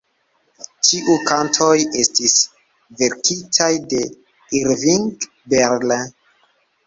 Ĉiu kantoj estis verkitaj de Irving Berlin.